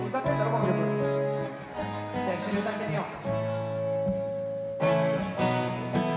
この曲。じゃあ一緒に歌ってみよう！